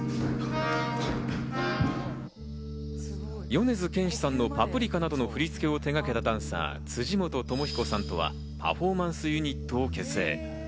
米津玄師さんの『パプリカ』などの振り付けを手がけたダンサー・辻本知彦さんとはパフォーマンスユニットを結成。